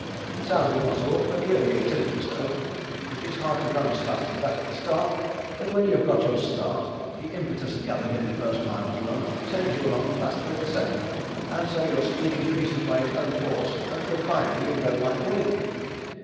It sounds impossible, but really it isn't so. It is hard to run as fast as that at the start, but when you have got your start the impetus gathered in the first mile's run sends you along faster in the second, and so your speed increases by its own force until finally you go like the wind.